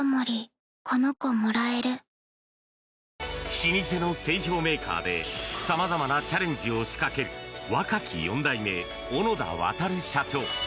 老舗の製氷メーカーでさまざまなチャレンジを仕掛ける若き４代目、小野田渉社長。